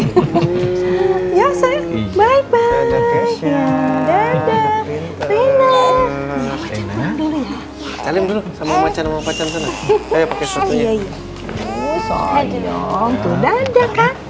nanti takut keisha capek lagi